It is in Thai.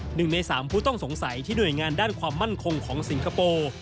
หนึ่งในสามผู้ต้องสงสัยที่หน่วยงานด้านความมั่นคงของสิงคโปร์